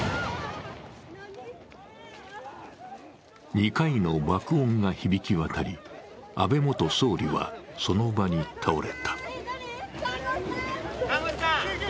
２回の爆音が響き渡り、安倍元総理はその場に倒れた。